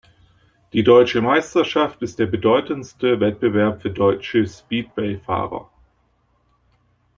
Die deutsche Meisterschaft ist der bedeutendste Wettbewerb für deutsche Speedwayfahrer.